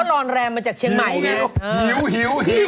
ก็รอนแรมมาจากเชียงใหม่เนี่ย